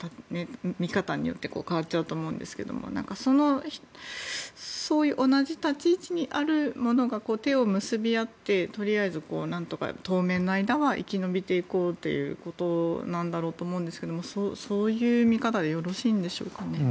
見方によって変わっちゃうと思うんですけどそういう同じ立ち位置にある者が手を結び合ってとりあえずなんとか当面の間は生き延びていこうっていうことなんだろうと思うんですがそういう見方でよろしいんでしょうかね。